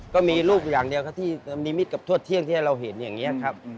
ก็มีลูกอย่างเดียวครับที่นิมิตกับทวดเที่ยงที่ให้เราเห็นอย่างนี้ครับ